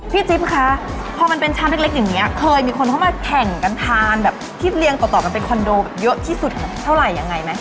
พี่จี๊ปคะพอมันเป็นช้ามเล็กอย่างนี้เคยมีคนเข้ามาแท่งกันทานแบบที่เรียงกรตอบที่เป็นคอนโดเยอะที่สุดที่เท่าไหร่ยังไง